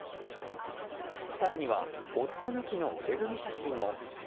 更には、夫抜きの腕組み写真も。